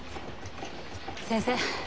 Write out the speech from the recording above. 先生